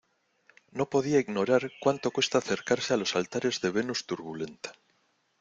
no podía ignorar cuánto cuesta acercarse a los altares de Venus Turbulenta.